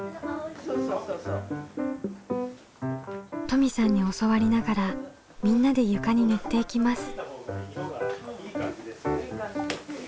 登美さんに教わりながらみんなで床に塗っていきます。